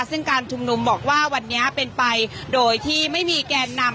ซึ่งการชุมนุมบอกว่าวันนี้เป็นไปโดยที่ไม่มีแกนนำ